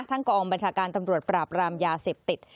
กองบัญชาการตำรวจปราบรามยาเสพติด